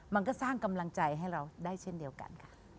มันก็สร้างกำลังใจให้เราได้เช่นเดียวกันค่ะ